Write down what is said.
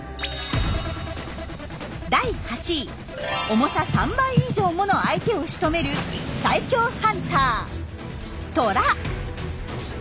第８位重さ３倍以上もの相手をしとめる最強ハンタートラ。